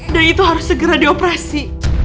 dan itu harus segera dioperasi